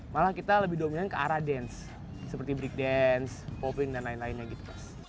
malah kita lebih dominan ke arah dance seperti break dance popping dan lain lainnya gitu